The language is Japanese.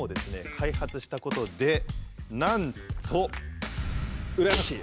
開発したことでなんと羨ましいはい！